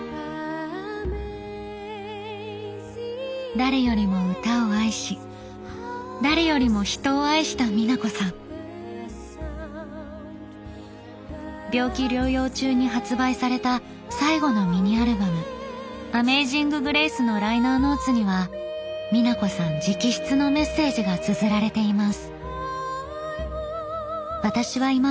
誰よりも歌を愛し誰よりも人を愛した美奈子さん病気療養中に発売された最後のミニアルバム「アメイジング・グレイス」のライナーノーツには美奈子さん直筆のメッセージがつづられています